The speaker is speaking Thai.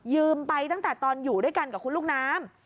ไปตั้งแต่ตอนอยู่ด้วยกันกับคุณลูกน้ำ